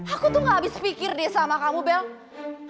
aku tuh gak habis pikir deh sama kamu bell